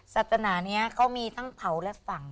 ศาสนานี้เขามีทั้งเผาและฝั่ง